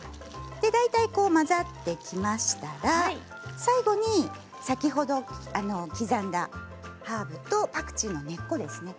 大体、混ざってきましたら最後に先ほど刻んだハーブとパクチーの根っこですね。